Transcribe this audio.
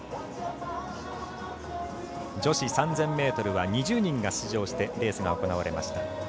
女子３０００ｍは２０人が出場してレースが行われました。